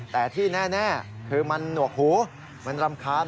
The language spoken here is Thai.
แต่ที่แน่คือมันหนวกหูมันรำคาญ